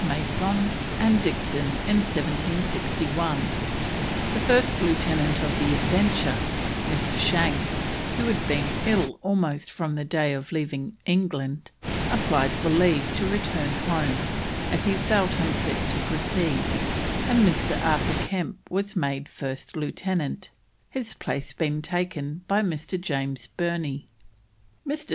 Mason and Dixon in 1761. The first lieutenant of the Adventure, Mr. Shank, who had been ill almost from the day of leaving England, applied for leave to return home, as he felt unfit to proceed, and Mr. Arthur Kemp was made first lieutenant, his place being taken by Mr. James Burney. Mr.